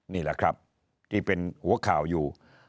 นี่แหละครับที่เป็นหัวข่าวอยู่